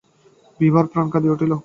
বিভার প্রাণ কাঁদিয়া উঠিল।